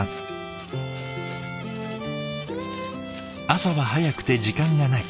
朝は早くて時間がない。